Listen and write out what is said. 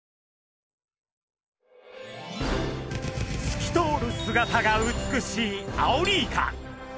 透き通る姿が美しいアオリイカ！